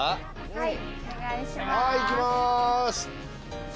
はい。